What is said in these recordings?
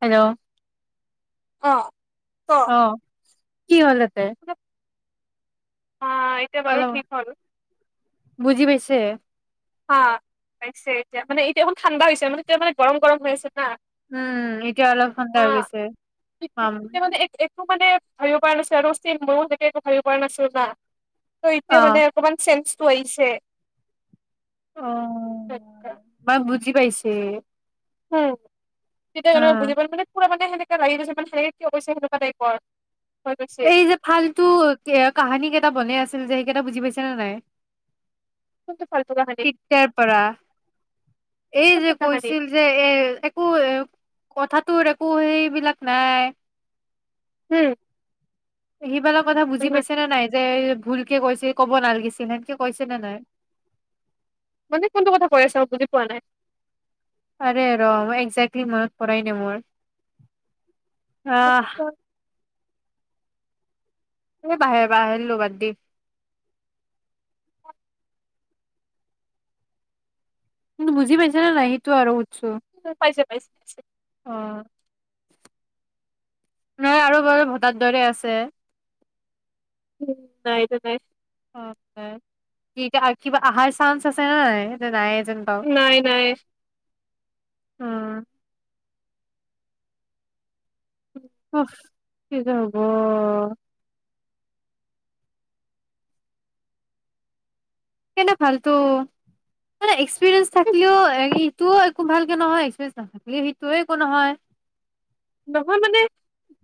Hello অ ক অ কি হ'লে দে অ এতিয়া বাৰু অলপ ঠিক হল বুজি পাইছে হা পাইছে এতিয়া মানে এতিয়া অকন ঠাণ্ডা হৈছে মানে এতিয়া মানে গৰম গৰম হৈ আছে না উম এতিয়া অলপ ঠাণ্ডা হৈ অ', গৈছে পাম ধৰিব পৰা নাছিলে আৰু ষ্টিল মইয়ো তেতিয়া একো ধৰিব পৰা নাছিলো না ত অ এতিয়া মানে অকনমান চেন্জ হৈছে অ মই বুজি পাইছো এ হু তেতিয়া মানে বুজি পোৱা মানে সেনেকে লাগি গৈছে মানেনেে কৈছে সনেকুৱা কিয় কৈছে হেনেকোৱা টাইপৰ হৈ গৈছে এই যে ফাল্তু কাহানী কেইটা বনাই আছিল যে কেইটা বুজি পাইছে নে নাই কোনটো ফাল্টু কাহানি তেতিয়াৰ পৰা এই যে কোনটো কাহানি কৈছিল যে এ একো এ কথা তোৰ একো সেইবলাক নাই হম শিকিবা লাগিব কথা বুজি পাইছে নে নাই যে ভুলকে কৈছে ক'ব নালাগিছিল এনকে কৈছে নে নাই মানে কোনটো কথা কৈ আছা বুজি পোৱা নাই আৰে ৰ একজেক্টলি মনত পৰাই নাই মোৰ আহ এই বাহিৰ বাহিৰ ল'বাদ দি কিন্তু বুজি পাইছেছ না নাই সেইটো আৰু সুধছো পাইছ [inaudible] ব [inaudible] অ নাই আৰু বাৰু ভোটা দৰে আছে উম নাইটো নাই অ এতিয়া কিবা আহাৰ চান্স আছে নাই নাই নাই নাই আহ অ কি যে হব কেনে ফাল্তু্ এক্সপেন্ঞ্চ থাকিলওটো এই ইটো খুব ভালকে নহয় এক্সপেৰিয়েন্স থাকেলে সেইটোয়ে একো নহয় নহয় মানে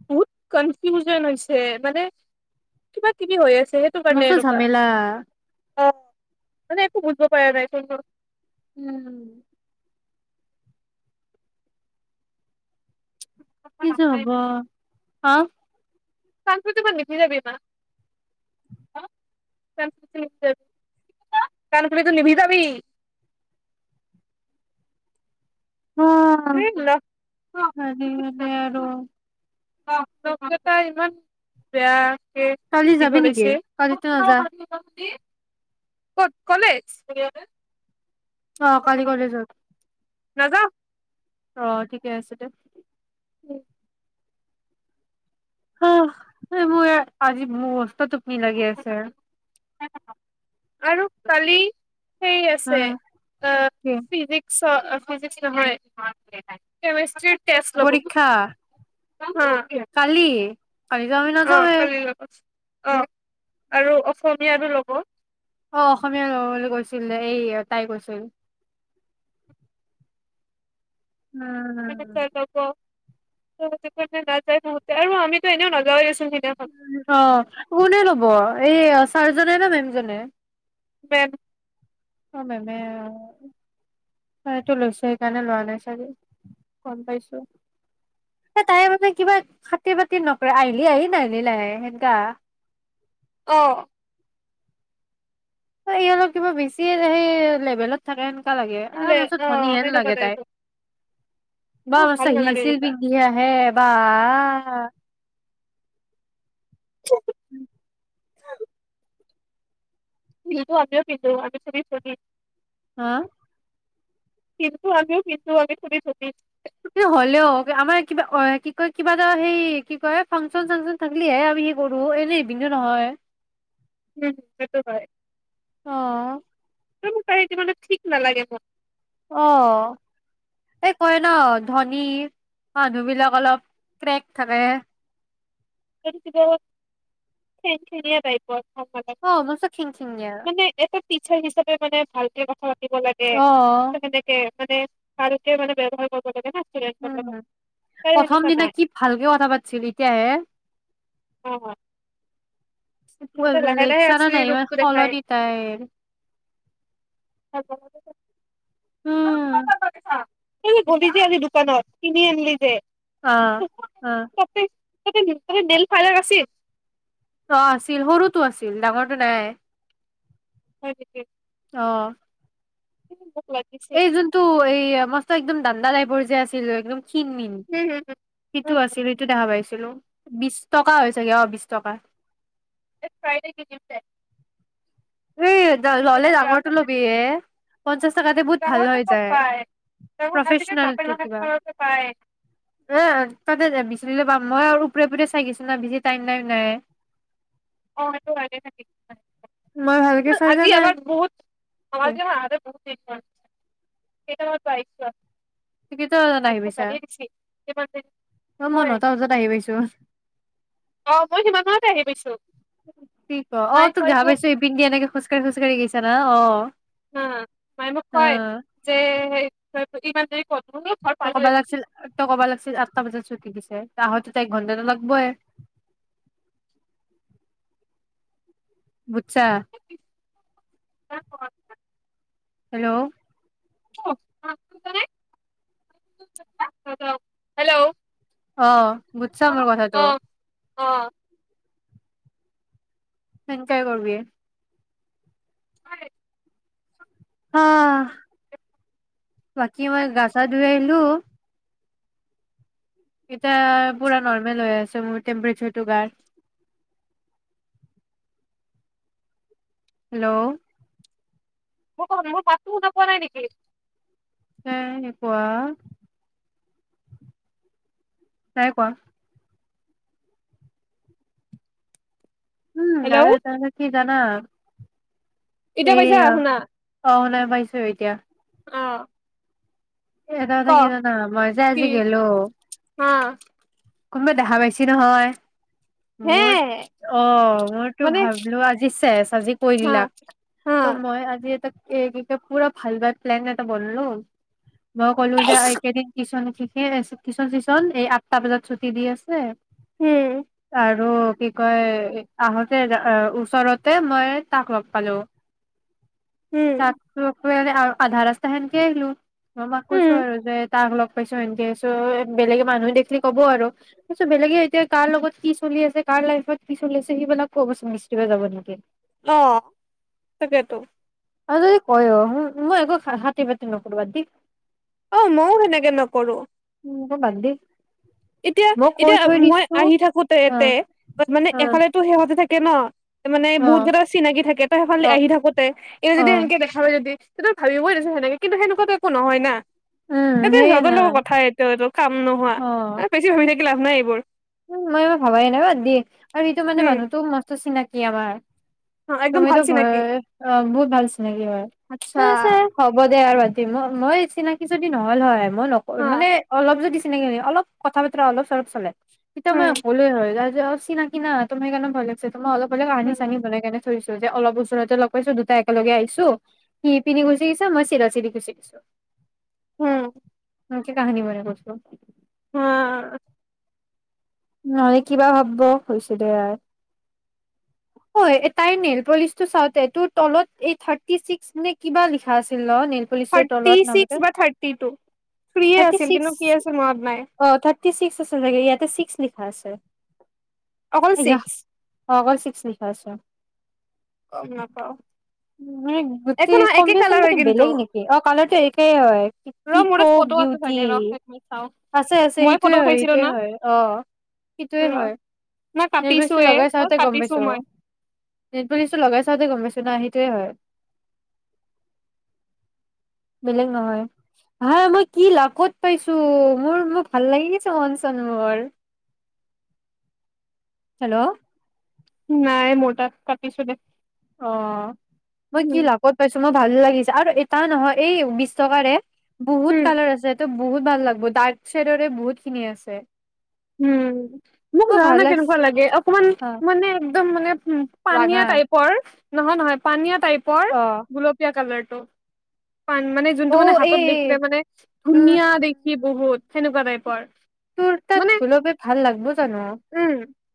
বহুত কনফিউজন হৈছে মানে কিবা কিবি হৈ আছে সেইটো কাৰণে মচল এনেকুৱা যামেলা অ মানে একো বুজিব পৰাা নাই কোনটো উম উ কি যে হব হা সংৃতি ম নিভিি যাব নাটো নিভিিাব [unintelligible] [unintelligible] অ এই নখ পাৰিম নে আৰু আৰু অ লগ কেইটা ইমান বেয়া কালি কি যাবি নেকি কৰিছে কালিতো নাযা কত কলেজ অ কালি কলেজত নাযাওঁ অ ঠিকে আছে দে উম অ মই আজি মোৰ অৱস্থাটোো কি লাগি আছে নাযাওঁ আৰু কালি সেই আছে অ', অ কি ফিজিক্স ফিজিক্ নহয় কেমেষ্ট্ৰী পৰীক্ষা কালি [unintelligible] অ-আৰু [unintelligible] ল'ব অ অসমীয়া লব বুলি কৈছিলে এইয়ে তাই কৈছিল। উমমম [unintelligible] আমি টো এনেও নাযায়ে চো অ' কোনে লব এই আছ- ছাৰজনে নে মেমজনে? প্ৰেম অ মেমে আৰু তায়েটো লৈছো সেইকাৰণে লোৱা নাই চাগে, গম পাইছো। হে তাইৰ বাবে কিবা একো খাতিৰ বাতিৰ নকৰে আহিলি আহিল, নাহিলি নাই হেনেকে আহ। অহ অ ইহঁতক কিবা বেছি [unintelligible] লেভেলত থাকেনো। সকাহ লাগে আহ বোলে [unintelligible] অ গনী হেন সেনেকুৱা লাগে তাই। টাইপৰ বাঃ মোৰ ভাল [unintelligible] হিল নালাগে চিল এনেকুৱা পিন্ধি আহে এবাৰ আহঃ [unintelligible] উম [unintelligible] হাঁ [unintelligible] কি হলেও আমাৰ কিবা অ কি কয় কিবা এটা সেই কি কয় ফাংচন চাংচন থাকিলিহে আমি কি কৰো এনে নহয়। [unintelligible] অ [unintelligible] ঠিক নালাগে মোক। অ এই কয় ন ধনী মানুহ বিলাক অলপ ক্ৰেক থাকে। খিনখিনিয়া টাইপৰ। [unintelligible] অ মস্ত খিং খিঙীয়া মানে এটা টিচাৰ হিচাপে মানে ভালকে কথা পাতিব লাগে অ [unintelligible] মানে ভালকে মানে ব্যৱহাৰ কৰিব লাগে ন। উম, প্ৰথম দিনা কি ভালকে কথা পাতিছিল এতিয়াহে [unintelligible] [inaudible] সিহঁতে লাহে [unintelligible] লাহে আচলি ৰূপটো দেখাই সলনি তাইৰ উম এ ভতিজা আজি দোকানত কিনি আনিলি যে আ হ [unintelligible] অ আছিল সৰুটো আছিল ডাঙৰটো নাই হয় [unintelligible] অহ মোক লাগিছিল এই যোনটো এয়া মস্ত একদম [unintelligible] যে আছিল একদম ক্ষীণ মিন হুম হুম সিটো হুম হুম। আছিল সেইটো দেখা পাইছোঁ। হেল্ল' বিশ টকা হয় ছাগৈ অ' বিশ টকা। এক ফ্ৰাইডে কিতিপ দে। এ ললে বিচনাৰ পৰা ডাঙৰটো আহোঁতে ল'বি হে। পঞ্চাছ টকাতে বহুত ভাল ডাঙৰটো হৈ ক'ত যায়। পায় ডাঙৰ আজিকালি প্ৰফেচনেল নাপায় নহয় কিবা ঘৰতে পায় এ তাতে বিচৰিলে পাম। মই আৰু ওপৰে ওপৰে চাই গিছো না বেছি টাইম নাই মই [unintelligible] ভালকে চাই যোৱা নাই [unintelligible] [unintelligible] কেইটা বজাত মাইতো আহি মোক পাইছা? গালিয়ে দিছি কিমান দেৰি অ' মই হয় নটা বজাত আহি পাইছো। অ মই সিমান মানতে আহি পাইছো কি ক অ' মায়ে তোক কয় মোক পাইছো। পিঙ্কি এনেক খোজ কাঢ়ি খোজ কাঢ়ি গৈছ। [unintelligible] অ' মায়ে মোক কয়। যে [unintelligible] ত পালোৱে কবা লাগিছিল ত কবা লাগিছিল আঠটা বজাত ছুটি দিছে। আহোতেতো এক ঘন্টাটোটা লাগবই। বুজিছা। [unintelligible] হেল্ল'? [unintelligible] অ' বুজছা মোৰ কথাটো? অ'। হেনকে কৰিবি। [unintelligible] হ, বাকী মই গা চা ধুই আহিলো। এতিয়া পুৰা নৰ্মেল হৈ আছে মোৰ টেম্পচাৰটো গাৰ। হেল্ল'? মোক ক মোৰ পাত ন কোৱা নাই নেকি? কেনেকুৱা? তাই কোৱা। উম গাৰু হেল্ল' এটা হলে কি জানা? এতিয়া পাইছা এয়া, শুনা অ' শুনা পাইছো এতিয়া। অ এটা ক কথা কি জানা? মই যে কি আজি গ'লো কোনোবাই দেখা পাইছি নহয়? মোৰ অ' মইতো মানে ভাবিলো আজি চেছ আজি কৈ হা দিলাক। হা তো মই আজি এটাক এই পুৰা ভাল ব প্লান এটা বলো [unintelligible] মই ক'লো যে একেদিন টিচন টিচন চিচন এই আঠটা বজাত ছুটি দি আছে উম আৰু? কি কয় আহোঁতে ওচৰতে মই তাক লগ পালো। উম তাক তো আধা ৰাস্তা সেনকে আহিলো। ম মাক কৈছো উম আৰু যে তাক লগ পাইছো সেনকে আহিছো বেলেগে মানুহে দেখিলি কব আৰু মই কৈছো বেলেগে এতিয়া কাৰ লগত কি চলি আছে কাৰ লাইফত কি চলি আছে সেইবিলাক বিচৰিব যাব নেকি। অ' তাকেতো। আৰু যদি কয়ও মই একো হাতী বাতি নকৰো বাদ দি। অ' মইও সেনেকে নকৰো। উম বাদ দি। এতিয়া মই কৈ এতিয়া থৈ মই দিছো আহি থাকোতে অ তে মানে অ এফালেতো সেহঁতে থাকে কেন মানে অ বহুত কেইটা চিনাকি থাকে। তে সেইফালে অ আহি থাকোতে এই অ যদি এনেকে দেখা পায় যদি সিটো ভাবিবৈয়ে দেচোন সেনেকে কিন্ত সেনেকুৱাটো একো নহয় না। উম এইটো সেয়ে সিহঁতৰ না লগৰ কথা এইটো এইটো কাম নোহোৱা। পিছে হয় দে কি লাভ নাই এইবোৰ। উম মই একো ভাবাই নাই বাদ দি আৰু এইটো মানে উম মানুহ টো মস্ত চিনাকি। কিয়াবাৰ [unintelligible] একদম ভাল তুমিতো চিনাকি ঘৰৰে। অ বহুত ভাল চিনাকি হয় আচ্ছা ছাৰ [unintelligible] হ'ব দে আৰু। মই চিনাকি যদি নহ'ল হয় মই নক হা মানে অলপ যদি চিনাকি অলপ কথা বতৰা অলপ চলপ চলে। তেতিয়া মই উম কলোৱে হয় ত যে [unintelligible] চিনাকি না তুমি সেই কাৰনে ভয় লাগছে। মই অলপ হলে কাহানি উম চাহানি বনাই কেনে থছো যে অলপ ওচৰতে লগ পাইছো দুটা একেলগে আহছো সি সিপিনি গুচি আহিছে মই চিধা-চিধি গুচি আহিছো। হম। নকি কাহানী বনে কৈছো [unintelligible] অ' নহলে কি বা ভাবিব হৈছে দে আৰু। ঐ তাইৰ নেল পলিচটো চাওঁতে তোৰ তলত এই থাৰ্টি চিস্ক নে কিবা লিখা আছিল ন। নেইল পলিচটোৰ থাৰ্টি তলত নামটো ছিস্ক বা থাৰ্টি টো ফ্ৰি থাৰ্টি আছিল। ছিক্স কিন্তু কি আছিল মনত নাই। অ থাৰ্টি ছিক্স আছিল চাগে ইয়াতে ছিক্স লিখ আছে অকল আয়াহ ছিক্স অকল চিক্স লিখা আছে গম নাপাও মানে একো গোটেই নহয় একে কম্বিনেশন কালাৰ হয় কিন্তু বেলেগ নেকি অ কালাৰটো একেই হয় ৰ কি মোৰত কক ফটো আছে বিউটি চাগে ৰ মই চাও আছে আছে মই ফটো এইটোয়ে হয় উঠাইছিলো এইটোৱেই না হয় অ সেইটোয়ে ৰ হয় না নেট বেচটো কাটিছোয়ে লগাই অ চাওঁতে গম কাটিছো পাইছো আৰু মই নেট বে লগাই চাওঁতে গম পাইছো ন হেটোৱে হয় বেলেগ নহয় হা মই কি লাকত পাইছো মোৰ মোৰ ভাল লাগি গৈছে মন চন মৰ হেল্ল' কা কাটিছো দে অ মই কি উম লাকত পাইছো মই ভাল লাগিছে আৰু এটা নহয় এই বিশ্বটকাৰে বহুত উম কালৰ আছে এইটো বহুত ভাল লাগব ডাক চাইডৰে বহুত খিনি আছে উম মোক মই ভাল জানানে লাগিছে কেনেকুৱা লাগে অকমান অ মানে একদম মানে উ ৰাঙা পানীয়া টাইপৰ নহয় নহয় পানীয়াত টাইপৰ অ গোলপীয়া কালাৰ অ পান মানে যোনটো অ মানে হাতত দেখিলে এই মানে উম ধুনীয়া দেখি বহুত সেনেকুৱা টাইপৰ তোৰ তাত মানে গোলপে ভাল লাগব জানো উম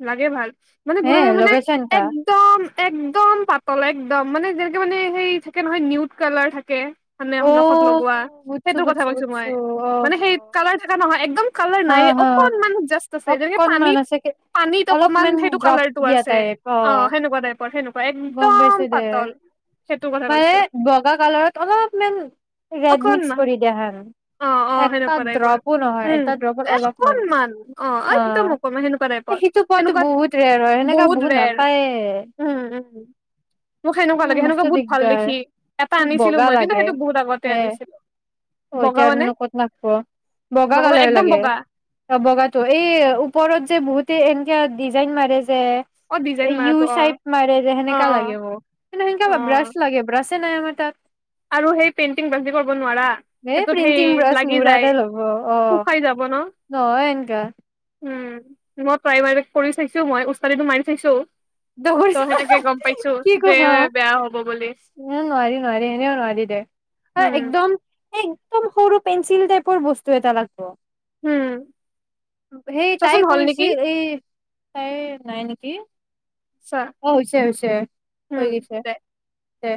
লাগে ভাল মানে গ হে মানে লগাইছা নেকা একদম একদম পাতল একদম মানে যে মানে সেই থাকে নহয় নিউট কালাৰ থাকে মানে অ সুনখত লগোৱা বুজছো সেইটোৰ কথা বুজছো কৈছো মই বুজছো অ মানে সেই কালাৰ থাকা নহয় একদম কালাৰ নাই অ অ অকনমান আছেগে পানীত অকমান অলপমান সেইটো ড্ৰাপ কালাৰটো দিয়া আছে টাইপ অ সেনেকুৱা টাইপৰ সেনেকুৱা গম একদম পাইছো দে পাতল সেইটো কথা মানে কৈছো বগা কালাৰত অলপমান ৰেড মিক্স অকনমান কৰি দিয়া হেন অ অ এটা ড্ৰপো নহয় ত ৰবৰ অলপ অকণমান অ একদম অকণমান সেনেকুৱা টাইপৰ সেইটো পোৱাতো সেনেকুৱা বহুত ৰেয়াৰ হয় সেনেকা বহুত ৰেৰ নাপায়ে উম উম মোক সেনেকুৱা উম লাগে মস্ত সেনেকুৱা বহুত ভাল দিগদাৰ দেখি এটা মোক আনিছিলো বগা মই কিন্তু লাগে সেইটো বহুত আগতে হে আনিছিলো অ বগা মানে এতিয়ানো ক'ত নাপব বগা মানে কালাৰ একদম লাগে বগা অ বগাটো এই ওপৰত যে বহুতে এনেকে ডিজাইন মাৰে যে অ ডিজাইন ইউ মাৰাটো অ চাইব মাৰে যে সেনেকোৱা লাগে অ কিন্তু অ সেনেকোৱা ব্ৰাছ লাগে ব্ৰাছ নাইম তাত আৰু সেই পেইণ্টিং বাাজি কৰিব নোৱাৰা এ সেইটোত প্ৰিণ্টিং সেই ব্ৰাছ লাগি মুৰাদে যায় ল'ব অ শু কাই যাব ন নহয় এনকা উম মই প্ৰাইম [unintelligible] কৰি চাইছো মই উওষ্টাদিটো মাৰি চাইছো দৌৰ ত সেনেকে গম পাইছো কি ক যে উ হা বেয়া হ'ব বুলি নোৱাৰি নোৱাৰি এনেও নোৱাৰি দে এ উম একদম একদম সৰু পেঞ্চিল তাইপৰ বস্তু এটা লাগব উম সেই চাচোন তাই হ'ল নেকি কৰিছি এই তাই নাই নেকি চা অ হৈছে হৈছে হৈ উম গেইছে দে উ